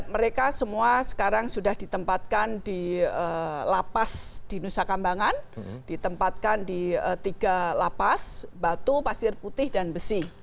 mereka semua sekarang sudah ditempatkan di lapas di nusa kambangan ditempatkan di tiga lapas batu pasir putih dan besi